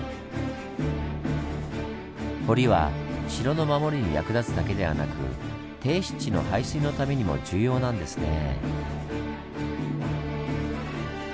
堀は城の守りに役立つだけではなく低湿地の排水のためにも重要なんですねぇ。